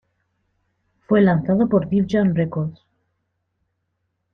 Fue lanzado por Def Jam Records.